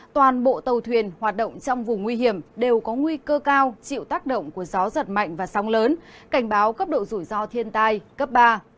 toàn bộ tàu thuyền hoạt động trong vùng nguy hiểm đều có nguy cơ cao chịu tác động của gió giật mạnh và sóng lớn cảnh báo cấp độ rủi ro thiên tai cấp ba